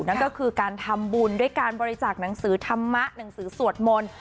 นั่นก็คือการทำบุญด้วยการบริจาคหนังสือธรรมะหนังสือสวดมนต์